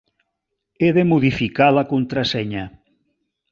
He de modificar la contrasenya.